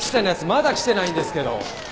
まだ来てないんですけど。